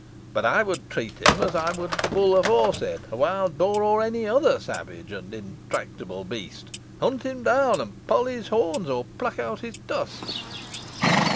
But I would treat him as I would the bull aforesaid, a wild boar, or any other savage and intractable beast, hunt him down, and poll his horns, or pluck out his tusks."